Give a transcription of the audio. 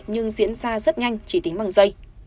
nhưng diễn ra rất nhanh chỉ tính bằng dây